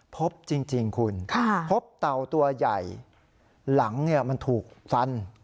พบจริงคุณพบเต่าตัวใหญ่หลังมันถูกฟัน